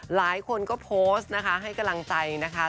หลายคนก็โพสต์นะคะให้กำลังใจนะคะ